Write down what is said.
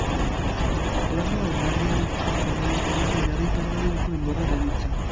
Planoa oinarriarekiko paralelo denean oinarri paraleloko enborra deritzo.